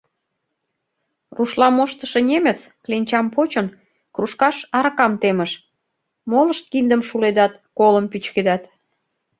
Рушла моштышо немец, кленчам почын, кружкаш аракам темыш, молышт киндым шуледат, колым пӱчкедат.